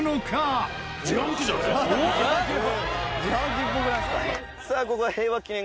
自販機自販機っぽくないですか？